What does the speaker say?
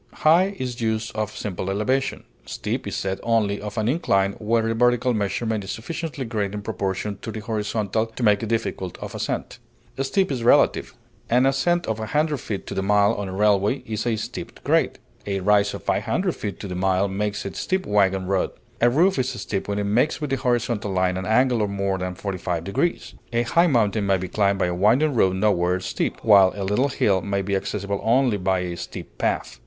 High is used of simple elevation; steep is said only of an incline where the vertical measurement is sufficiently great in proportion to the horizontal to make it difficult of ascent. Steep is relative; an ascent of 100 feet to the mile on a railway is a steep grade; a rise of 500 feet to the mile makes a steep wagon road; a roof is steep when it makes with the horizontal line an angle of more than 45°. A high mountain may be climbed by a winding road nowhere steep, while a little hill may be accessible only by a steep path.